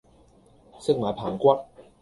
食埋棚骨